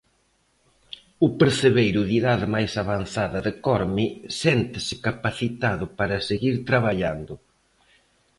O percebeiro de idade máis avanzada de Corme séntese capacitado para seguir traballando.